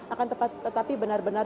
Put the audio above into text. akan tetapi benar benar